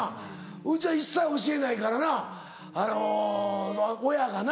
うちは一切教えないからな親がな。